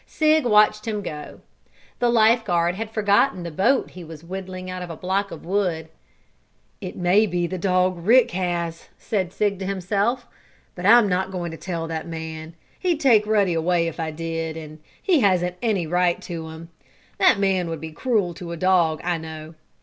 Sig watched him go. The life guard had forgotten the boat he was whittling out of a block of wood. "It may be the dog Rick has," said Sig to himself. "But I'm not going to tell that man. He'd take Ruddy away if I did, and he hasn't any right to him. That man would be cruel to a dog, I know.